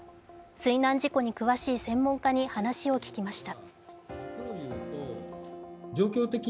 水難事故に詳しい専門家に話を聞きました。